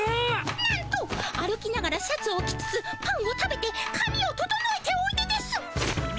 なんと歩きながらシャツを着つつパンを食べてかみを整えておいでです。